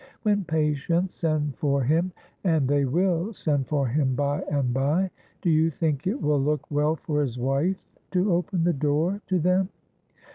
When patients send for him, and they will send for him by and by, do you think it will look well for his wife to open the door to them."